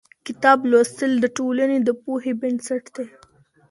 کتاب لوستل د ټولنې د پوهې بنسټ دی.